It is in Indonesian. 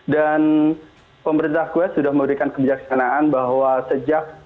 dan pemerintah kuwait sudah memberikan kebijaksanaan bahwa sejak